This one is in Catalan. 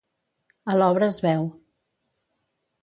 A l'obra es veu.